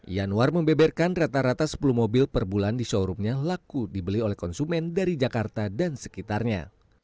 yanwar membeberkan rata rata sepuluh mobil per bulan di showroomnya laku dibeli oleh konsumen dari jakarta dan sekitarnya